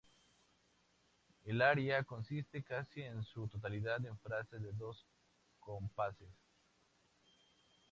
El aria consiste casi en su totalidad en frases de dos compases.